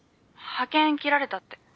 派遣切られたって。